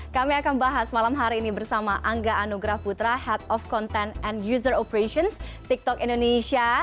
kami akan bahas malam hari ini bersama angga anugrah putra head of content and user operations tiktok indonesia